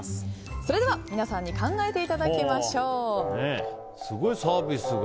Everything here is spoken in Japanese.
それでは皆さんに考えていただきましょう。